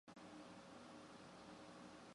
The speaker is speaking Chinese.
莱波萨维奇是位于科索沃北部的一座城市。